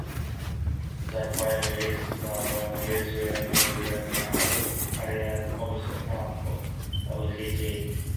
The poem lists the peoples which went to Kadesh as allies of the Hittites.